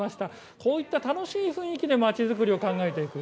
こういった楽しい雰囲気でまちづくりを考えていく。